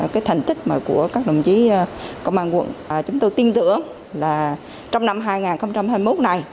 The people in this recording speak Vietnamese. cái thành tích mà của các đồng chí công an quận chúng tôi tin tưởng là trong năm hai nghìn hai mươi một này